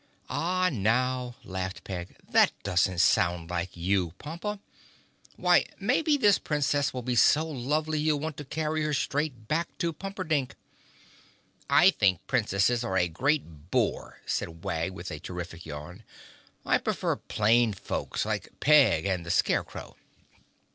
"Ah, now!" laughed Peg. "That doesn't sound like you, Pompa. Why, maybe this Princess will be so lovely you'll want to carry her straight back to Pumperdink." "I think Princesses are a great bore," said Wag with a terrific yawn. "I prefer plain folks like Peg and the Scarecrow."